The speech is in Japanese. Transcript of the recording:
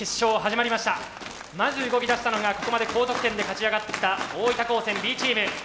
まず動きだしたのがここまで高得点で勝ち上がってきた大分高専Ｂチーム。